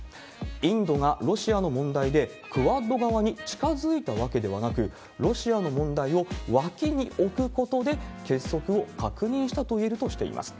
インドがロシアの問題でクアッド側に近づいたわけではなく、ロシアの問題を脇に置くことで、結束を確認したといえるとしています。